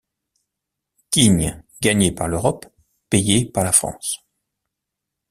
Quine gagné par l’Europe, payé par la France.